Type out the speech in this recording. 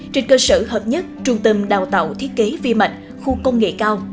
trên cơ sở hợp nhất trung tâm đào tạo thiết kế vi mạch khu công nghệ cao